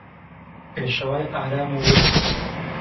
پێشەوای ئارام و ورد